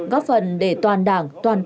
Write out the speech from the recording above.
góp phần để toàn đảng toàn quốc